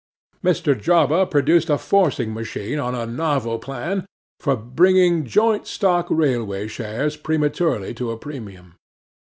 'MR. JOBBA produced a forcing machine on a novel plan, for bringing joint stock railway shares prematurely to a premium.